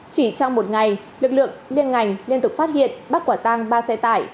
chỉ trong một ngày lực lượng liên ngành liên tục phát hiện bắt quả tang ba xe tải